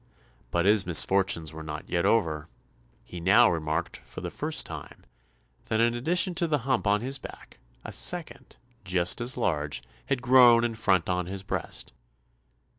But his misfortunes were not yet over; he now remarked for the first time that in addition to the hump on his back, a second, just as large, had grown in front on his breast.